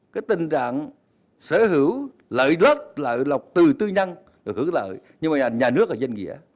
cái tình trạng sở hữu lợi rớt lợi lọc từ tư nhân được hưởng lợi nhưng mà nhà nước là danh nghĩa